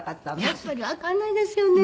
やっぱりわかんないですよね。